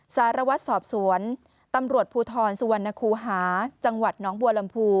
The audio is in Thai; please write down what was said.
สารวัตรสอบสวนตำรวจภูทรสุวรรณคูหาจังหวัดน้องบัวลำพู